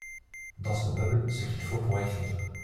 Dans ce meuble, ce qu’il faut pour écrire.